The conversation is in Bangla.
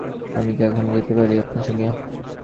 আমি কি এখনই যেতে পারি আপনার সঙ্গে?